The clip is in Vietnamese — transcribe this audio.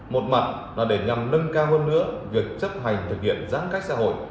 một mặt là để nhằm nâng cao hơn nữa việc chấp hành thực hiện giãn cách xã hội